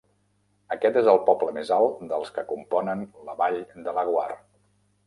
Aquest és el poble més alt dels que componen la Vall de Laguar.